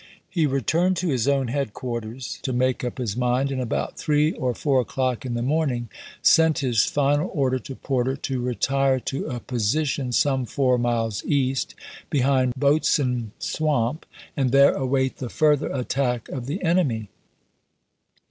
He returned to his own headquarters to make up his mind, and about " three or foui* o'clock in the morning " sent his final order to Porter to retire to a position some four miles east, behind Boatswain Swamp, and there await the further attack of the enemy.